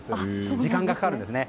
時間がかかるんですね。